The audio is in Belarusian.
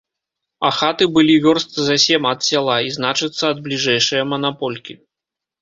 А хаты былі вёрст за сем ад сяла і, значыцца, ад бліжэйшае манаполькі.